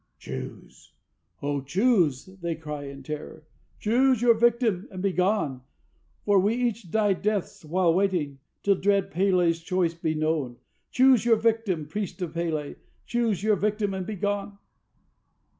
"Choose, O choose!" they cry in terror; "choose your victim and be gone, For we each die deaths while waiting, till dread P├®l├®'s choice be known! Choose your victim, Priest of P├®l├®, choose your victim and be gone!"